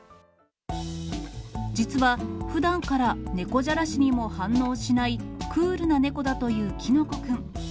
実は、ふだんから猫じゃらしにも反応しないクールな猫だというきのこくん。